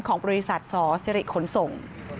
ของบริษัทสสิริขนส่ง